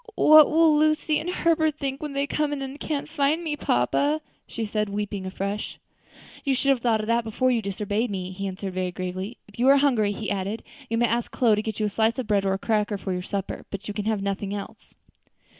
"What will Lucy and Herbert think when they come in and can't find me, papa?" she said, weeping afresh. "You should have thought of that before you disobeyed me," he answered very gravely. "If you are hungry," he added, "you may ask Chloe to get you a slice of bread or a cracker for your supper, but you can have nothing else."